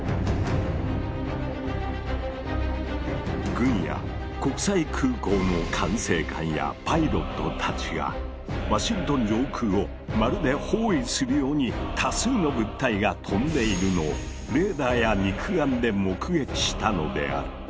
軍や国際空港の管制官やパイロットたちがワシントン上空をまるで包囲するように多数の物体が飛んでいるのをレーダーや肉眼で目撃したのである。